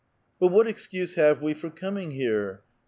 31 "But what excuse have we for coming here?